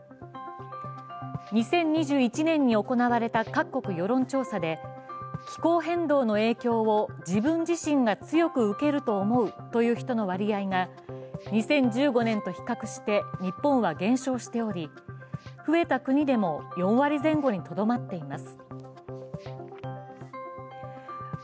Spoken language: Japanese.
２０２１年に行われた各国世論調査で気候変動の影響を自分自身が強く受けると思うという人の割合が２０１５年と比較して日本は減少しており増えた国でも４割前後にとどまっています。